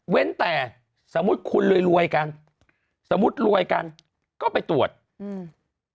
แต่สมมุติคุณรวยรวยกันสมมุติรวยกันก็ไปตรวจอืม